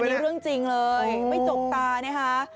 ไม่อันนี้เรื่องจริงเลยไม่จกตาเนี่ยฮะ